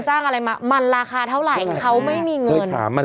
อะไรมามันราคาเท่าไหร่เขาไม่มีเงิน